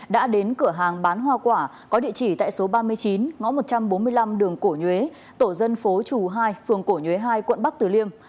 đã đến cửa hàng bán hoa quả có địa chỉ tại số ba mươi chín ngõ một trăm bốn mươi năm đường cổ nhuế tổ dân phố chù hai phường cổ nhuế hai quận bắc tử liêm